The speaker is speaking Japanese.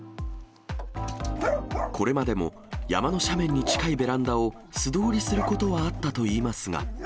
これまでも、山の斜面に近いベランダを素通りすることはあったといいますが。